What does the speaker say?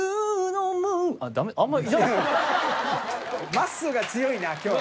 まっすーが強いな今日は。